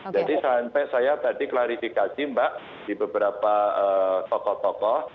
jadi sampai saya tadi klarifikasi mbak di beberapa tokoh tokoh